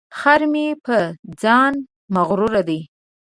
خر مې په ځان مغروره دی.